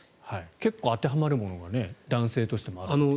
結構当てはまるものが男性としてもあるという。